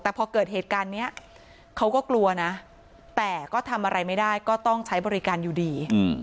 แต่พอเกิดเหตุการณ์นี้เขาก็กลัวนะแต่ก็ทำอะไรไม่ได้ก็ต้องใช้บริการอยู่ดี